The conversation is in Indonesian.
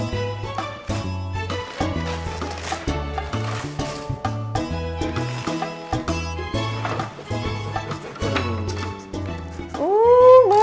biar saya jauh buka